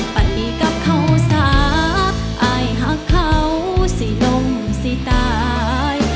ปัดดีกับเขาสาอายหักเขาสี่ลมสี่ตาย